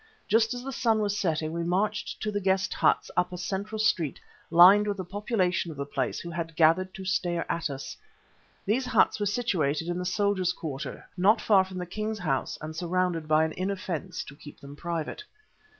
Just as the sun was setting we marched to the guest huts up a central street lined with the population of the place who had gathered to stare at us. These huts were situated in the Soldiers' Quarter, not far from the king's house and surrounded by an inner fence to keep them private.